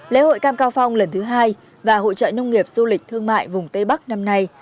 lễ hội cam cao phong lần thứ hai và hội trợ nông nghiệp du lịch thương mại vùng tây bắc năm nay